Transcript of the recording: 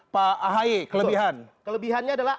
pak ahe kelebihan kelebihannya adalah